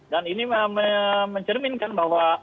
dan ini mencerminkan bahwa